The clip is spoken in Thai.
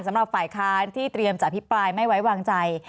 สำหรับฝ่ายค้านที่เตรียมจะอภิปรายไม่ไว้วางใจ